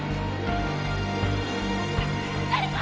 誰か！